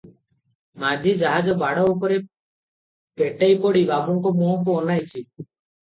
ମାଝି ଜାହାଜ ବାଡ଼ ଉପରେ ପେଟେଇ ପଡ଼ି ବାବୁଙ୍କ ମୁହଁକୁ ଅନାଇଛି ।